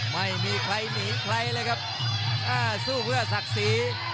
ไม่มีใครหนีใครเลยครับอ่าสู้เพื่อศักดิ์ศรี